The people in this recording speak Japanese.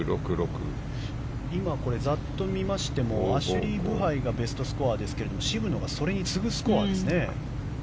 今、ざっと見ましてもアシュリー・ブハイがベストスコアですが渋野がそれに次ぐスコアですね。